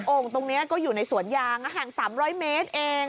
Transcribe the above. ่งตรงนี้ก็อยู่ในสวนยางห่าง๓๐๐เมตรเอง